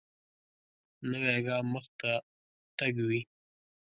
نوی ګام مخته تګ وي